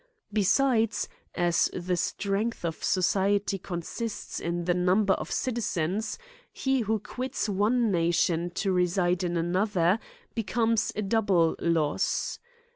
Bt sides, as the strength of society consists in tlie number of citizens, he who quits one nation to r£ side in another, becomes a double loss.